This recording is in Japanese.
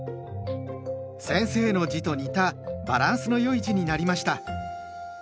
先生の字と似たバランスの良い字になりました。